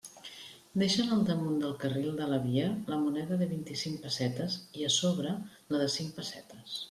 Deixen al damunt del carril de la via la moneda de vint-i-cinc pessetes i a sobre la de cinc pessetes.